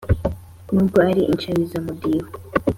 n’ubwo ari inshabizamudiho.